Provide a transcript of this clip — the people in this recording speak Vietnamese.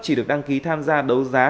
chỉ được đăng ký tham gia đấu giá